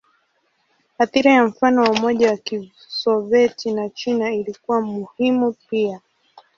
Athira ya mfano wa Umoja wa Kisovyeti na China ilikuwa muhimu pia.